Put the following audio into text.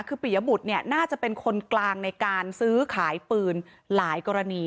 คือปียบุตรเนี่ยน่าจะเป็นคนกลางในการซื้อขายปืนหลายกรณี